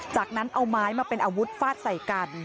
จากนั้นเอาไม้มาเป็นอาวุธฟาดใส่กัน